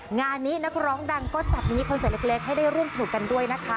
งานนี้นักร้องดังก็จัดนิคอนเสิร์ตเล็กให้ได้ร่วมสนุกกันด้วยนะคะ